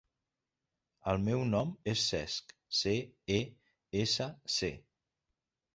El meu nom és Cesc: ce, e, essa, ce.